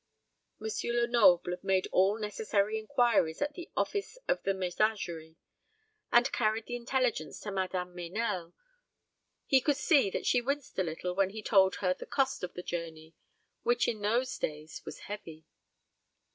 M. Lenoble made all necessary inquiries at the office of the Messageries, and carried the intelligence to Madame Meynell. He could see that she winced a little when he told her the cost of the journey, which in those days was heavy.